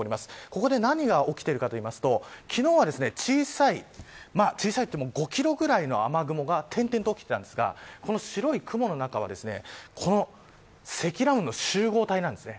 ここで何が起きているかといいますと昨日は小さいといっても５キロぐらいの雨雲が点々と大きくなるんですかこの白い雲の中はこの積乱雲の集合体なんです。